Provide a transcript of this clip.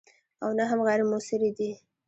او نه هم غیر موثرې دي.